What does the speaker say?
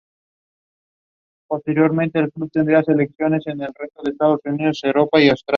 Una sola regla consiste en una pre condición, una condición y dos puntajes.